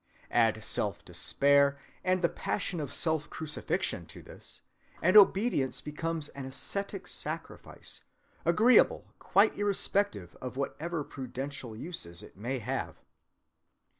Add self‐despair and the passion of self‐crucifixion to this, and obedience becomes an ascetic sacrifice, agreeable quite irrespective of whatever prudential uses it might have.